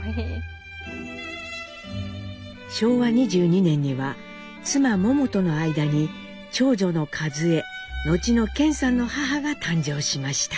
昭和２２年には妻モモとの間に長女の和江後の顕さんの母が誕生しました。